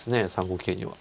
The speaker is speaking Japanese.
３五桂には。